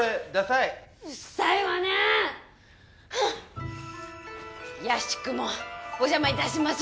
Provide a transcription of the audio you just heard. いやしくもおじゃまいたします！